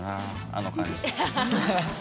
あの感じ。